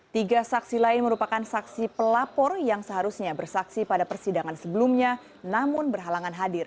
tiga saksi lain merupakan saksi pelapor yang seharusnya bersaksi pada persidangan sebelumnya namun berhalangan hadir